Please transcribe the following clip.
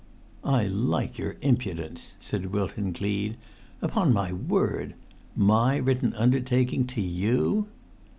"I like your impudence," said Wilton Gleed. "Upon my word! My written undertaking—to you!"